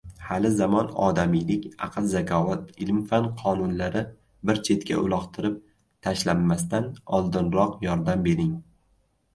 Halizamon odamiylik, aql-zakovat, ilm-fan qonunlari bir chetga uloqtirib tashlanmasdan oldinroq yordam bering!